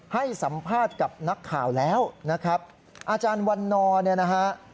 ให้สัมภาษณ์กับนักข่าวแล้วนะครับอาจารย์วันนอร์เนี่ยนะฮะ